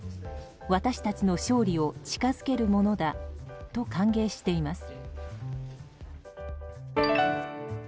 私たちの勝利を近づけるものだと歓迎しています。